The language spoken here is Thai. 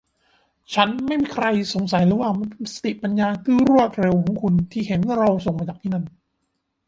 ฉันไม่มีใครสงสัยเลยว่ามันเป็นสติปัญญาที่รวดเร็วของคุณที่เห็นเราส่งมาจากที่นั่น